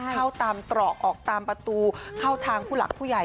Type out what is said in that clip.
เข้าตามตรอกออกตามประตูเข้าทางผู้หลักผู้ใหญ่